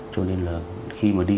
cho nên là khi mà đi